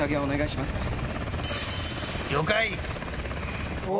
了解！